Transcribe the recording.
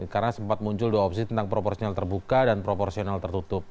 karena sempat muncul dua opsi tentang proporsional terbuka dan proporsional tertutup